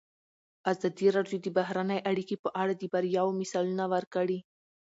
ازادي راډیو د بهرنۍ اړیکې په اړه د بریاوو مثالونه ورکړي.